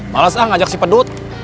males ah ngajak si pedut